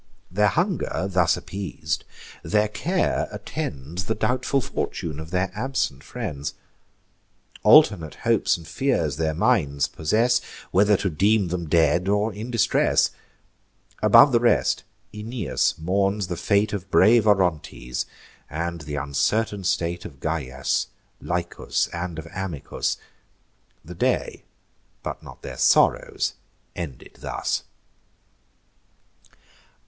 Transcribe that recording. Their hunger thus appeas'd, their care attends The doubtful fortune of their absent friends: Alternate hopes and fears their minds possess, Whether to deem 'em dead, or in distress. Above the rest, Aeneas mourns the fate Of brave Orontes, and th' uncertain state Of Gyas, Lycus, and of Amycus. The day, but not their sorrows, ended thus.